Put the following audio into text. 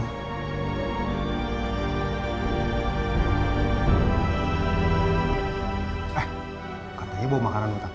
eh katanya bawa makanan buat aku